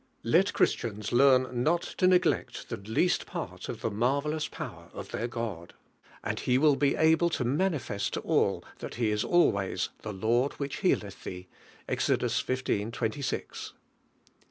Let Christiana leara not to neglect (be least part ot the marvelous power of their God, and lie will be able to manifest to all that He is always the "Lord which hoalofh thee" (Kxixl. xv. aii).